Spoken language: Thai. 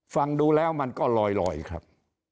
ฟังดูแล้วมันก็ลอยครับ